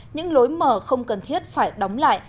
những lối mở không cần thiết phải đóng lại